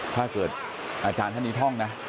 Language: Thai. ถ้าเกิดอาจารย์ท่านนี้ท่องนะ